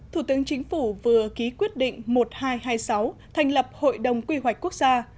thủ tướng chính phủ vừa ký quyết định một nghìn hai trăm hai mươi sáu thành lập hội đồng quy hoạch quốc gia